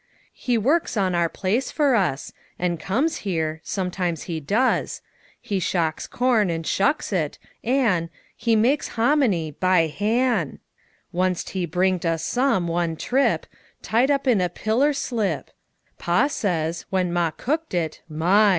He works on our place fer us, An' comes here sometimes he does. He shocks corn an' shucks it. An' He makes hominy "by han'!" Wunst he bringed us some, one trip, Tied up in a piller slip: Pa says, when Ma cooked it, "MY!